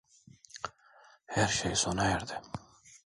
Her şey sona erdi.